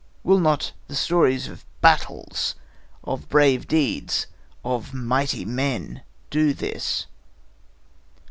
Will not the stories of battles, of brave deeds, of mighty men, do this?"